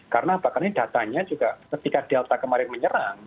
karena apakah ini datanya juga ketika delta kemarin menyerang